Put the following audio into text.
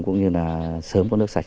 cũng như là sớm có nước sạch